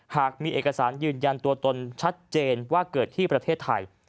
หากมีเอกสารยืนยันตัวตนชัดเจนว่าเกิดที่ประเทศไทย